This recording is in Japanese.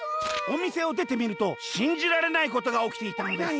「おみせをでてみるとしんじられないことがおきていたのです」。